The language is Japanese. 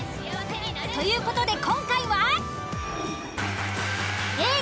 という事で今回は。